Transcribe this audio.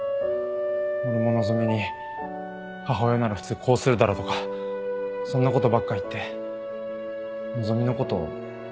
俺も希実に母親なら普通こうするだろとかそんなことばっか言って希実のこと追い詰めてた。